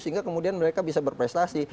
sehingga kemudian mereka bisa berprestasi